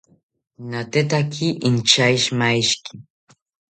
Natekaki inchashimashiki